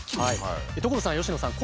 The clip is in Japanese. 所さん佳乃さん。